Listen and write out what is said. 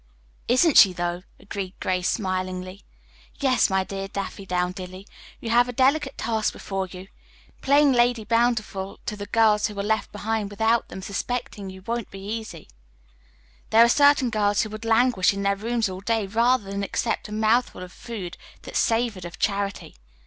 "Isn't she, though?" agreed Grace smilingly. "Yes, my dear Daffydowndilly, you have a delicate task before you. Playing Lady Bountiful to the girls who are left behind without them suspecting you won't be easy. There are certain girls who would languish in their rooms all day, rather than accept a mouthful of food that savored of charity.